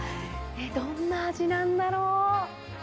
どんな味なんだろう？